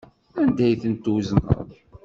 Anda ay ten-twezneḍ?